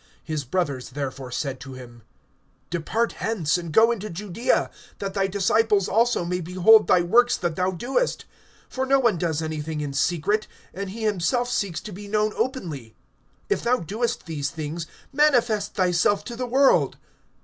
(3)His brothers therefore said to him: Depart hence, and go into Judaea, that thy disciples also may behold thy works that thou doest. (4)For no one does anything in secret, and he himself seeks to be known openly. If thou doest these things, manifest thyself to the world.